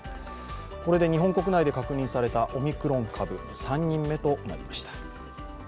これで日本国内で確認されたオミクロン株３人目となりました。